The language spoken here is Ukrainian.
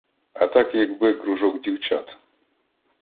А так, якби кружок дівчат;